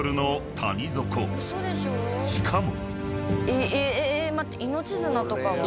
［しかも］え！